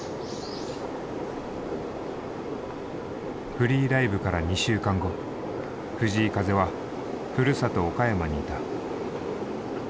「“Ｆｒｅｅ”Ｌｉｖｅ」から２週間後藤井風はふるさと岡山にいた。